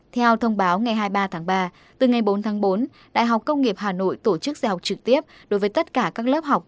theo thông báo ngày hai mươi ba tháng ba từ ngày bốn tháng bốn đại học công nghiệp hà nội tổ chức dạy học trực tiếp đối với tất cả các lớp học